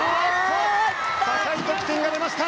高い得点が出ました。